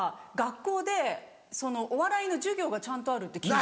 学校でお笑いの授業がちゃんとあるって。